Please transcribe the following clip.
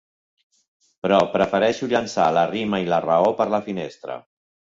Però prefereixo llençar la rima i la raó per la finestra.